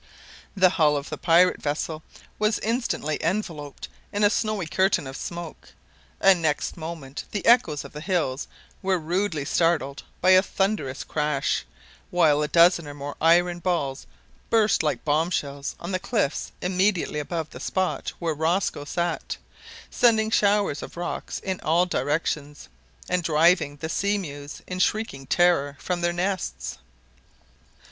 The hull of the pirate vessel was instantly enveloped in a snowy curtain of smoke, and, next moment, the echoes of the hills were rudely startled by a thunderous crash, while a dozen or more iron balls burst like bomb shells on the cliffs immediately above the spot where Rosco sat, sending showers of rock in all direction; and driving the sea mews in shrieking terror from their nests.